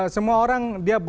semua orang dia